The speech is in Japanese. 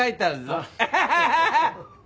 アハハハ！